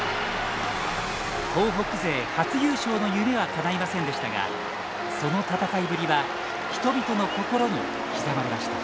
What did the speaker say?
東北勢初優勝の夢はかないませんでしたがその戦いぶりは人々の心に刻まれました。